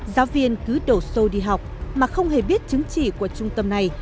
giáo viên cứ đổ xô đi học mà không hề biết chứng chỉ của trung tâm này